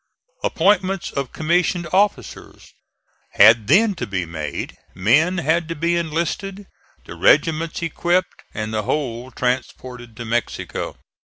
Appointments of commissioned officers had then to be made; men had to be enlisted, the regiments equipped and the whole transported to Mexico.